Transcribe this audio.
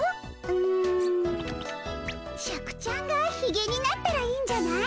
シャクちゃんがひげになったらいいんじゃない？